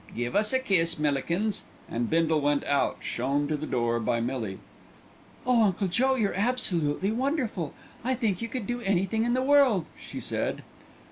Give us a kiss, Millikins;" and Bindle went out, shown to the door by Millie. "Oh, Uncle Joe, you're absolutely wonderful! I think you could do anything in the world," she said.